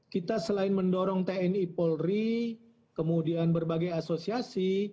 kita selain mendorong tni polri kemudian berbagai asosiasi